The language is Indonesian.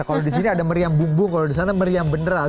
kalau di sini ada meriam bumbu kalau di sana meriam beneran